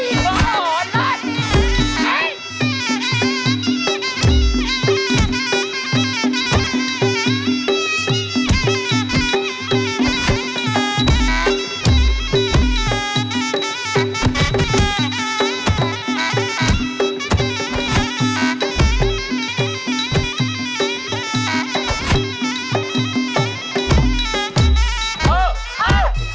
อย่าให้ผู้หญิงบอก